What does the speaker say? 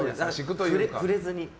触れずに。